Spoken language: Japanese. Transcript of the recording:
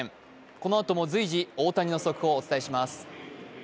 このあとも随時、大谷の速報お伝えします。